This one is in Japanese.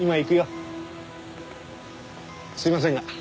すいませんが。